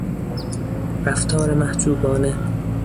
رفتار محجوبانه